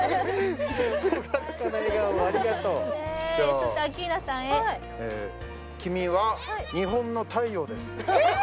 そしてアッキーナさんへ君は日本のたいようですえーっ！